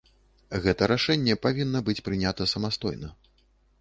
Гэта рашэнне павінна быць прынята самастойна.